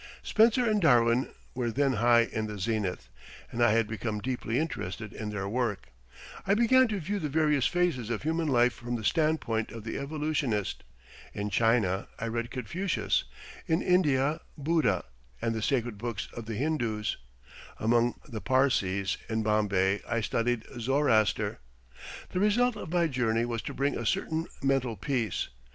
Spencer and Darwin were then high in the zenith, and I had become deeply interested in their work. I began to view the various phases of human life from the standpoint of the evolutionist. In China I read Confucius; in India, Buddha and the sacred books of the Hindoos; among the Parsees, in Bombay, I studied Zoroaster. The result of my journey was to bring a certain mental peace.